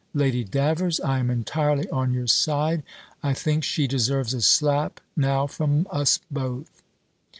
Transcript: Lady Davers, I am entirely on your side: I think she deserves a slap now from us both."